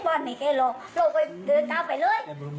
ทำไมไม่เอ็ดวาดไหมแค่เราเราไปเดินตามไปเลย